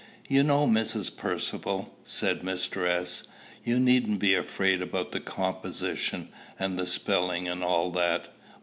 "You know, Mrs. Percivale," said Mr. S., "you needn't be afraid about the composition, and the spelling, and all that.